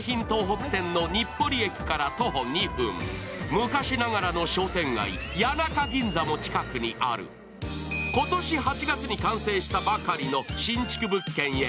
昔ながらの商店街、谷中銀座も近くにある今年８月に完成したばかりの新築物件へ。